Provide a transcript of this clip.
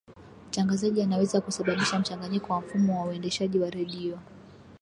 mtangazaji anaweza kusababisha mchanganyiko wa mfumo wa uendeshaji wa redio